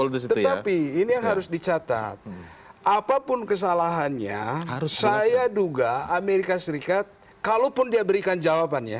tetapi ini yang harus dicatat apapun kesalahannya saya duga amerika serikat kalaupun dia berikan jawabannya